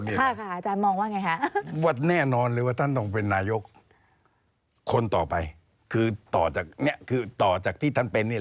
ดิวถ้าเจอกลุมภาว๖๒ไม่ได้นี่